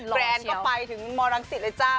แรนด์ก็ไปถึงมรังสิตเลยจ้า